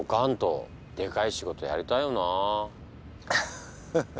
ハッハハ。